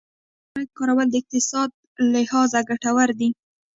د بخارۍ کارول د اقتصادي لحاظه ګټور دي.